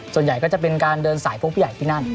ส่วนใหญ่ก็จะเป็นการเดินสายพบผู้ใหญ่ที่นั่น